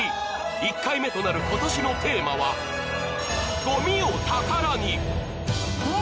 １回目となる今年のテーマは「ごみを宝に」。